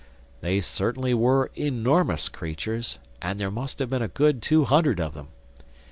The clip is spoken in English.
They certainly were enormous creatures; and there must have been a good two hundred of them.